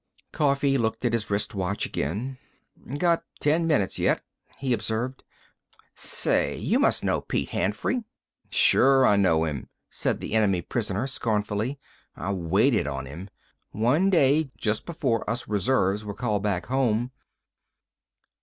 Coffee looked at his wrist watch again. "Got ten minutes yet," he observed. "Say, you must know Pete Hanfry—" "Sure I know him," said the enemy prisoner, scornfully. "I waited on him. One day, just before us reserves were called back home...."